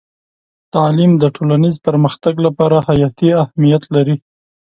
تعلیم د ټولنیز پرمختګ لپاره حیاتي اهمیت لري.